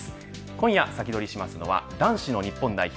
今夜サキドリしますのは男子の日本代表